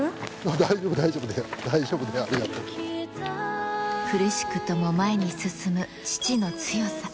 大丈夫、大丈夫、大丈夫だよ、苦しくとも前に進む父の強さ。